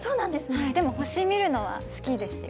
でも星を見るのは好きです。